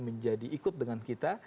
menjadi ikut dengan kita